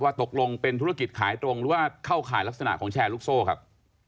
ตกลงเป็นธุรกิจขายตรงหรือว่าเข้าข่ายลักษณะของแชร์ลูกโซ่ครับ